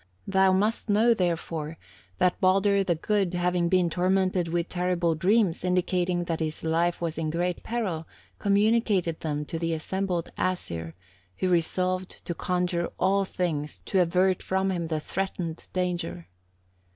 Thou must know, therefore, that Baldur the Good having been tormented with terrible dreams, indicating that his life was in great peril, communicated them to the assembled Æsir, who resolved to conjure all things to avert from him the threatened danger.